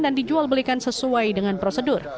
dan dijual belikan sesuai dengan prosedur